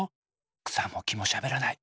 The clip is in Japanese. くさもきもしゃべらない。